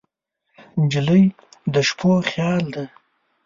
نجلۍ د شپو خیال ده.